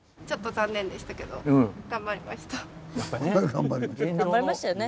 ちょっと残念でしたけど頑張りました。